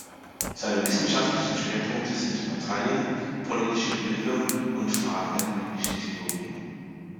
Seine wissenschaftlichen Schwerpunkte sind Parteien, politische Bildung und Fragen der politischen Theorie.